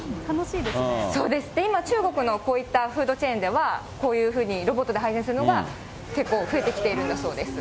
そうです、今中国のこういったフードチェーンでは、こういうふうにロボットで配膳するのが結構増えてきているんだそうです。